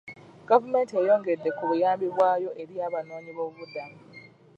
Gavumenti eyongedde ku buyambi bwayo eri abanoonyiboobubudamu.